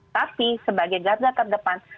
tapi sebagai garda terdepan